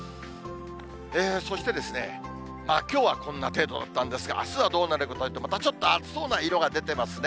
そしてきょうはこんな程度だったんですが、あすはどうなるかというと、またちょっと暑そうな色が出てますね。